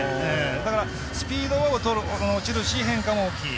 だからスピードは落ちるし変化も大きい。